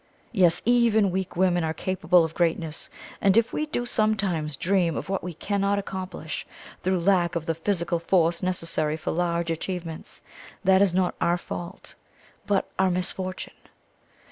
Yes even weak women are capable of greatness; and if we do sometimes dream of what we cannot accomplish through lack of the physical force necessary for large achievements, that is not our fault but our misfortune.